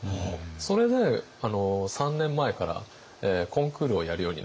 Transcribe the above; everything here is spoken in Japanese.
それで３年前からコンクールをやるようになりまして。